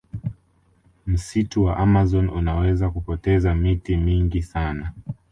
msitu wa amazon unaweza kupoteza miti mingi sana